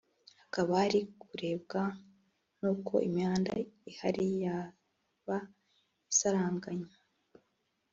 hakaba hari kurebwa n’uko imihanda ihari yaba isaranganywa